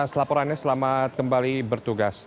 selaporannya selamat kembali bertugas